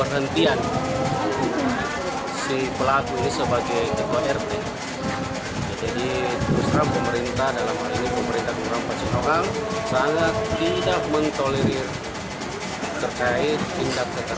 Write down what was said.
sangat tidak mentolerir terkait tindak kekerasan